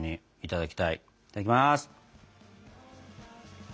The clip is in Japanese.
いただきます！